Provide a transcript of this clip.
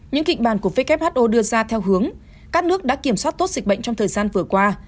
những kịch bản của who đưa ra theo hướng các nước đã kiểm soát tốt dịch bệnh trong thời gian vừa qua